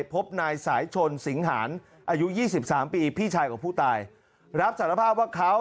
พบนายสายชนสิงหารอายุยี่สิบสามปีพี่ชายของผู้ตายรับสารภาพว่าเขา